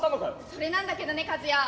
「それなんだけどねカズヤ。